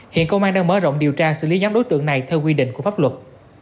hiện công an đang mở rộng điều tra xử lý nhóm đối tượng này theo quy định của pháp luật